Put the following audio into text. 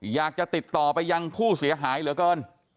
อยากจะติดต่อไปยังผู้เสียหายเหลือเกิน